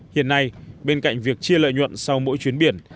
hiện nay bên cạnh việc chia lợi nhuận sau mỗi chuyến biển